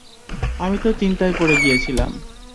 আমি তো চিন্তায় পড়ে গিয়েছিলাম।